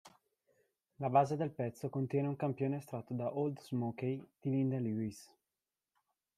La base del pezzo contiene un campione estratto da "Old Smokey" di Linda Lewis.